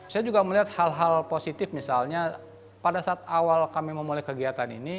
saya juga melihat hal hal positif misalnya pada saat awal kami memulai kegiatan ini